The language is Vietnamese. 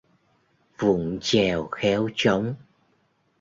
Vụng chèo khéo trống